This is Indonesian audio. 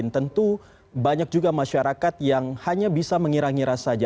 tentu banyak juga masyarakat yang hanya bisa mengira ngira saja